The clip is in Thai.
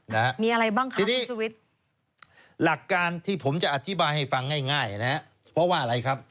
นะครับที่นี้หลักการที่ผมจะอธิบายให้ฟังง่ายนะครับเพราะว่าอะไรครับ